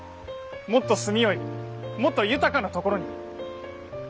もっと住みよいもっと豊かなところに。